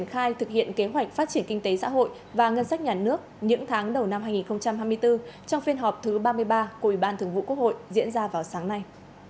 chương ba mươi ba của ủy ban thường vụ quốc hội diễn ra vào sáng nay